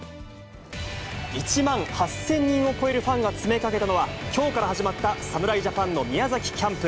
１万８０００人を超えるファンが詰めかけたのは、きょうから始まった侍ジャパンの宮崎キャンプ。